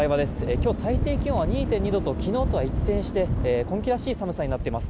今日、最低気温は２．２度と昨日とは一転して今季らしい寒さになってます。